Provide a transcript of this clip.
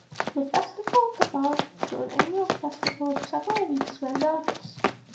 The festival developed to an annual festival of several weeks around August.